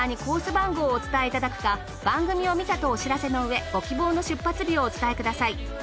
番号をお伝えいただくか番組を観たとお知らせのうえご希望の出発日をお伝えください。